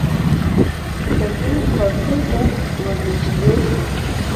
ګرګين کړکۍ ته ور نږدې شو.